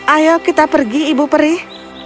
ayo kita pergi ibu perih